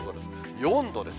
４度です。